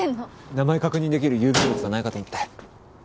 名前確認できる郵便物はないかと思って。